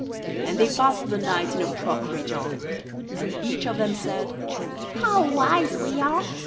And they passed the night in a crockery jar; And each of them said, "How wise we are!